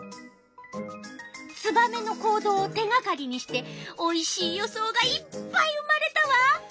ツバメの行動を手がかりにしておいしい予想がいっぱい生まれたわ。